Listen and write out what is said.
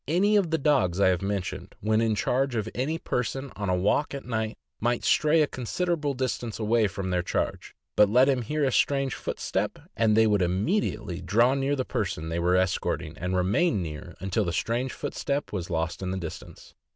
Any of the dogs I have mentioned, when in charge of any person on a walk at night, might stray a considerable distance away from their charge; but let them hear a strange footstep, andj, they would immediately draw near the person they were escorting, and remain near until the strange footstep was lost in the distance.